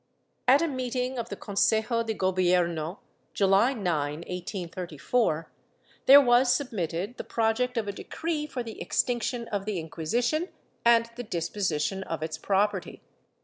At a meeting of the Consejo de Gobierno, July 9, 1834, there was submitted the project of a decree for the extinction of the Inqui sition and the disposition of its property.